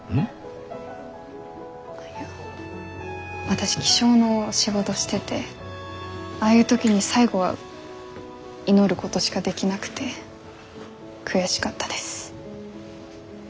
私気象の仕事しててああいう時に最後は祈ることしかできなくて悔しかったです。